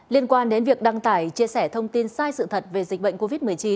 liên quan đến việc đăng tải chia sẻ thông tin sai sự thật về dịch bệnh covid một mươi chín